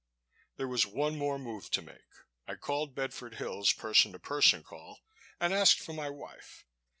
There was one more move to make. I called Bedford Hills, person to person call, and asked for my wife.